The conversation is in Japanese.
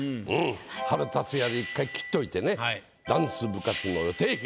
「春立つや」で１回切っといてね「ダンス部活の予定表」。